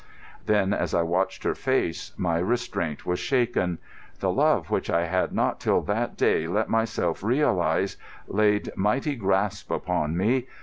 Then, as I watched her face, my restraint was shaken. The love which I had not till that day let myself realise laid mighty grasp upon me.